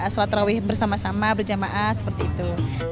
sholat rawih bersama sama berjemaah seperti itu